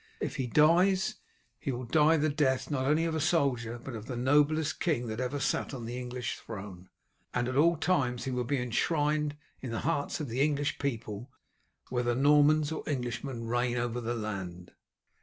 If he dies, he will die the death not only of a soldier but of the noblest king that ever sat on the English throne, and at all times he will be enshrined in the hearts of the English people, whether Normans or Englishmen reign over the land."